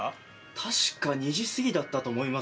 確か２時過ぎだったと思います。